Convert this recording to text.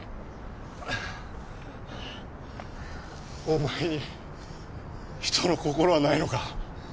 お前に人の心はないのか？